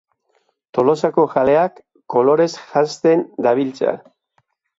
Tolosako kaleak kolorez jantzen dabiltza.